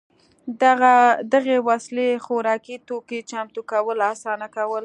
دغې وسیلې خوراکي توکو چمتو کول اسانه کول